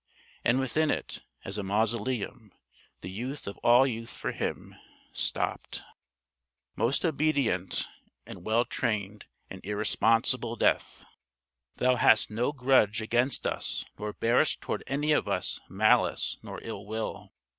And within it as a mausoleum the youth of all youth for him stopped! Most obedient and well trained and irresponsible Death! Thou hast no grudge against us nor bearest toward any of us malice nor ill will!